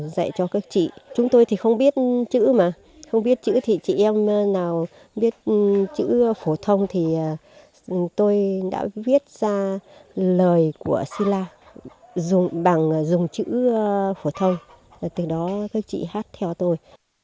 dạy cho các chị chúng tôi thì không biết chữ mà không biết chữ thì chị em nào biết chữ phổ thông thì tôi đã viết ra lời của si la bằng dùng chữ phổ thông từ đó các chị hát theo tôi